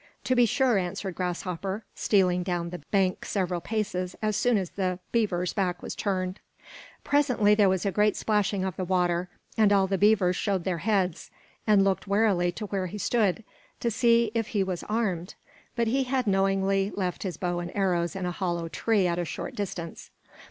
"To be sure," answered Grasshopper, stealing down the bank several paces as soon as the beaver's back was turned. Presently there was a great splashing of the water, and all the heavers showed their heads, and looked warily to where he stood, to see if he was armed. But he had knowingly left his bow and arrows in a hollow tree at a short distance.